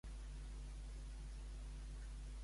Què expressava l'aglomeració al voltant de Judas?